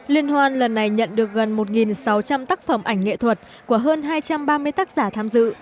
liên hoan lần này nhận được gần một sáu trăm linh tác phẩm ảnh nghệ thuật của hơn hai trăm ba mươi tác giả tham dự